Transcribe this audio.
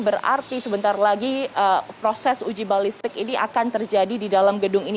berarti sebentar lagi proses uji balistik ini akan terjadi di dalam gedung ini